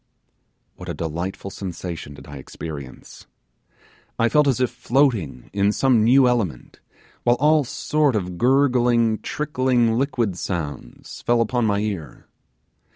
What a delightful sensation did I experience! I felt as if floating in some new element, while all sort of gurgling, trickling, liquid sounds fell upon my ear.